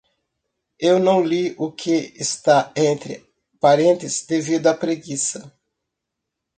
Eu não li o que está entre parênteses devido à preguiça.